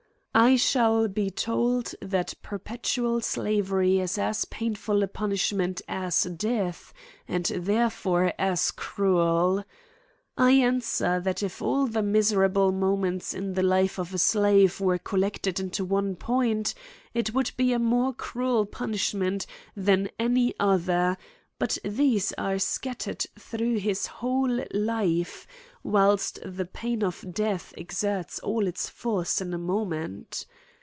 I shall be told that perpetual slavery is as pain ful a punishment as death, and therefore as cru el. I answer, that if all the miserable moments in the life of a slave were collected into one point, it would be a more cruel punishment than any other ; but these are scattered through his whole life, whilst the pain, of death exerts ail its force in a moment.